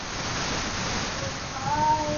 اس دوران میں سارا قانونی عمل بظاہر شفاف ہے۔